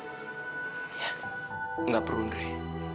iya gak perlu nek